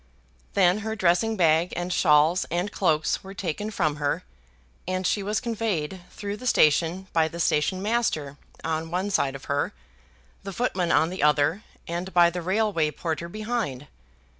Then her dressing bag and shawls and cloaks were taken from her, and she was conveyed through the station by the station master on one side of her, the footman on the other, and by the railway porter behind.